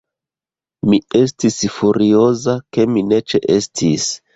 Mi estis furioza, ke mi ne ĉeestis.